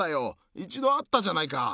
一度会ったじゃないか。